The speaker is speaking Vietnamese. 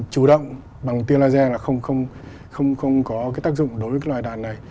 chủ động bằng tiêu laser là không có cái tác dụng đối với cái loại đạn này